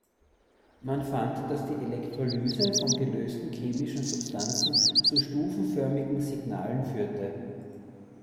Man fand, dass die Elektrolyse von gelösten chemischen Substanzen zu stufenförmigen Signalen führte.